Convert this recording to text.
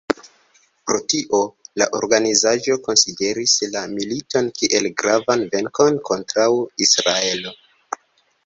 Pro tio, la organizaĵo konsideris la militon kiel gravan venkon kontraŭ Israelo.